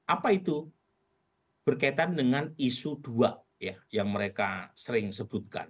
apa itu berkaitan dengan isu dua ya yang mereka sering sebutkan